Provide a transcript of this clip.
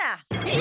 え！？